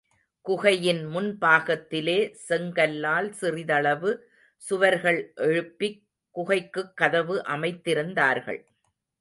குகையின் முன்பாகத்திலே செங்கல்லால் சிறிதளவு சுவர்கள் எழுப்பிக் குகைக்குக் கதவு அமைத்திருந்தார்கள்.